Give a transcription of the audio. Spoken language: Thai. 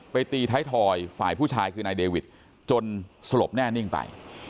ตีท้ายทอยฝ่ายผู้ชายคือนายเดวิทจนสลบแน่นิ่งไป